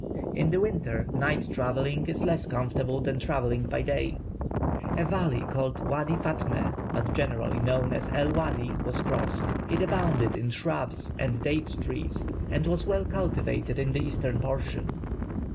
In the winter night travelling is less comfortable than travelling by day. A valley called Wady Fatme, but generally known as El Wadi, was crossed; it abounded in shrubs and date trees, and was well cultivated in the eastern portion.